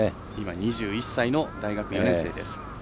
２１歳の大学４年生です。